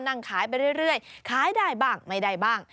นั่งขายไปเรื่อยขายได้บ้างไม่ได้บ้าง